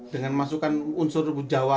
dengan masukkan unsur jawa nya di sana ya